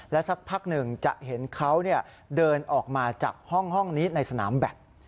สักพักหนึ่งจะเห็นเขาเดินออกมาจากห้องนี้ในสนามแบต